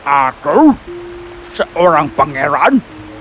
aku seorang pangeran